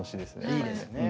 いいですよね